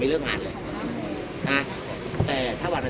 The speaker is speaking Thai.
พี่อัดมาสองวันไม่มีใครรู้หรอก